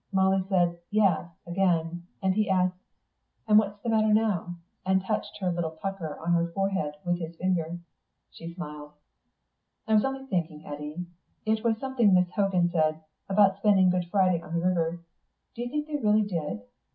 Molly said "Yes," again, and he asked, "And what's the matter now?" and touched a little pucker on her forehead with his finger. She smiled. "I was only thinking, Eddy.... It was something Miss Hogan said, about spending Good Friday on the river. Do you think they really did?"